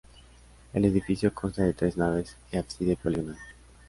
El edificio consta de tres naves y ábside poligonal.